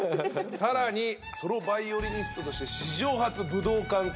さらにソロ・バイオリニストとして史上初武道館公演を達成。